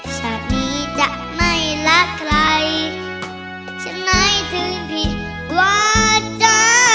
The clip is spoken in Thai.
ชาตินี้จะไม่รักใครก็ไม่ถึงผิดปวดจะ